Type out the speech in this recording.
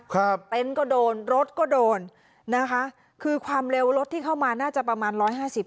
เต็นต์ก็โดนรถก็โดนนะคะคือความเร็วรถที่เข้ามาน่าจะประมาณร้อยห้าสิบ